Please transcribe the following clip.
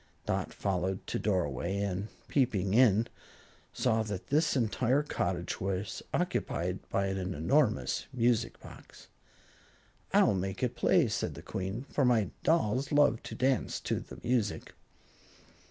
Dot followed to doorway and, peeping in, saw that this entire cottage was occupied by an enormous music box. "I'll make it play," said the Queen, "for my dolls love to dance to the music."